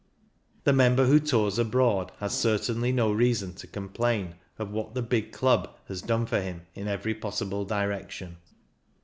The member who tours abroad has certainly no reason to complain of what the big Club has done for him in every possible direction.